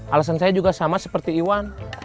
alasan saya juga sama seperti iwan